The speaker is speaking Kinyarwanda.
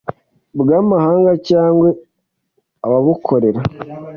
Bw amahanga cyangwa ababukorera